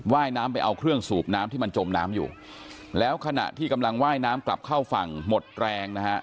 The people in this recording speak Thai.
ว่ายน้ำไปเอาเครื่องสูบน้ำที่มันจมน้ำอยู่แล้วขณะที่กำลังว่ายน้ำกลับเข้าฝั่งหมดแรงนะฮะ